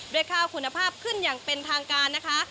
ข้าวคุณภาพขึ้นอย่างเป็นทางการนะคะ